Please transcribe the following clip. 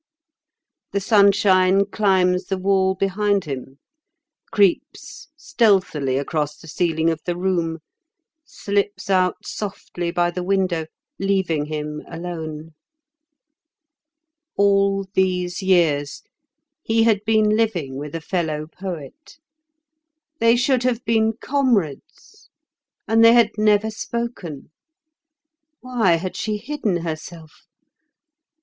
"The sunshine climbs the wall behind him, creeps stealthily across the ceiling of the room, slips out softly by the window, leaving him alone. All these years he had been living with a fellow poet. They should have been comrades, and they had never spoken. Why had she hidden herself?